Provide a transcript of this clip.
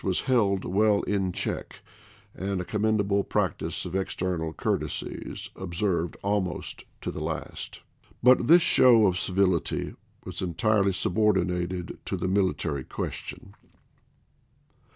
was held well in check, and a commendable prac tice of external courtesies observed almost to the last. But this show of civility was entirely subordi nated to the military question.